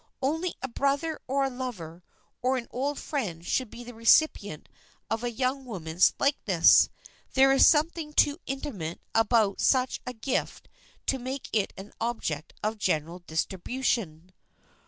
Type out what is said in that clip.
Only a brother or a lover or an old friend should be the recipient of a young woman's likeness. There is something too intimate about such a gift to make it an object of general distribution.